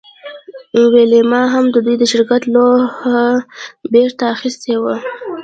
ویلما هم د دوی د شرکت لوحه بیرته اخیستې وه